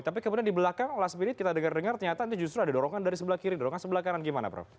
tapi kemudian di belakang la spirit kita dengar dengar ternyata nanti justru ada dorongan dari sebelah kiri dorongan sebelah kanan gimana prof